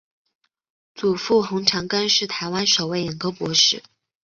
祖父洪长庚是台湾首位眼科博士。